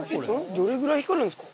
どれぐらい光るんですか？